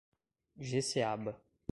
Jeceaba